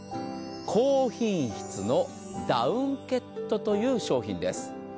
高品質のダウンケットという商品です。